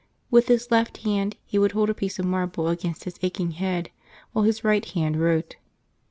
With his left hand he would hold a piece of marble against his aching head while his right hand wrote.